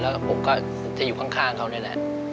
แล้วผมก็จะอยู่ข้างเขานี่แหละ